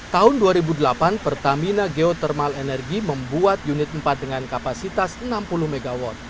tahun dua ribu delapan pertamina geothermal energy membuat unit empat dengan kapasitas enam puluh mw